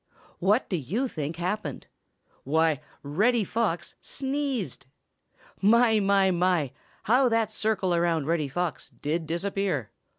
What do you think happened? Why, Reddy Fox sneezed! My, my, my! How that circle around Reddy Fox did disappear!